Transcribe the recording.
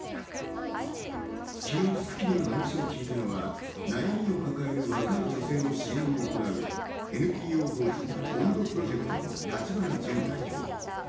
昨日『スッキリ』が話を聞いたのは悩みを抱える若い女性を支援を行うＮＰＯ法人、ＢＯＮＤプロジェクトの橘ジュン代表。